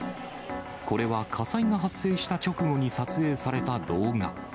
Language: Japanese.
これは火災が発生した直後に撮影された動画。